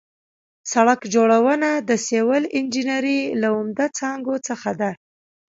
سړک جوړونه د سیول انجنیري له عمده څانګو څخه ده